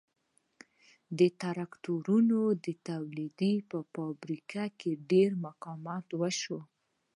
د ترکتورونو د تولید په فابریکه کې ډېر مقاومت وشو